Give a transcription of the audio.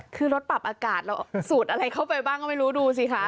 คือรถปรับอากาศเราสูดอะไรเข้าไปบ้างก็ไม่รู้ดูสิคะ